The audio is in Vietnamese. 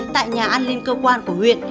tại nhà an ninh cơ quan của huyện